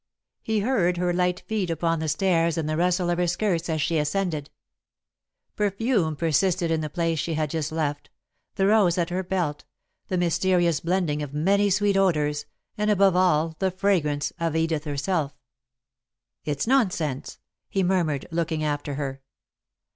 He heard her light feet upon the stairs and the rustle of her skirts as she ascended. Perfume persisted in the place she had just left the rose at her belt, the mysterious blending of many sweet odours, and, above all, the fragrance of Edith herself. [Sidenote: Alden Reads the Letter] "It's nonsense," he murmured, looking after her.